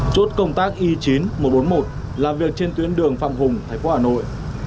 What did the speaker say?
chốt công tác y chín nghìn một trăm bốn mươi một làm việc trên tuyến đường phạm hùng thành phố hà nội